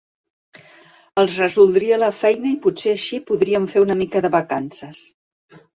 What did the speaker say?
Els resoldria la feina i potser així podrien fer una mica de vacances.